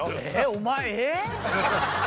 お前ええ！？